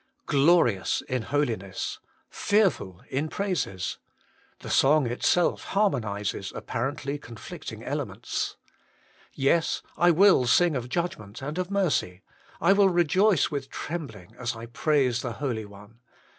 ' Glorious in holiness ; fearful in praises :' the song itself harmonizes the apparently conflicting elements. Yes, 1 will sing of judgment and of mercy. I will rejoice with trembling as I praise the Holy One.